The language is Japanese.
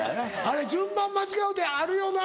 あれ順番間違うってあるよな。